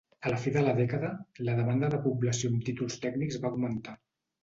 A la fi de la dècada la demanda de població amb títols tècnics va augmentar.